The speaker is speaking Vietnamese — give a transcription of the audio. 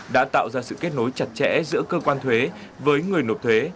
đã tạo ra sự kết nối chặt chẽ giữa cơ quan thuế với người nộp thuế